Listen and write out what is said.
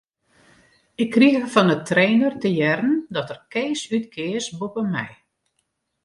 Ik krige fan 'e trainer te hearren dat er Kees útkeas boppe my.